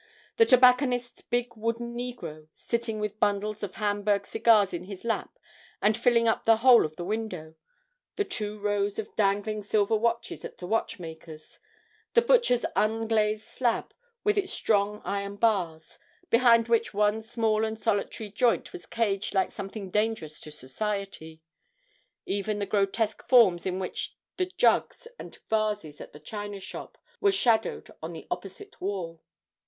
The tobacconist's big wooden negro, sitting with bundles of Hamburg cigars in his lap and filling up the whole of the window; the two rows of dangling silver watches at the watchmaker's; the butcher's unglazed slab, with its strong iron bars, behind which one small and solitary joint was caged like something dangerous to society; even the grotesque forms in which the jugs and vases at the china shop were shadowed on the opposite wall.